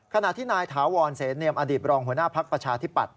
ขณะที่นายถาวรเสนเนียมอดีตรองหัวหน้าภักดิ์ประชาธิปัตย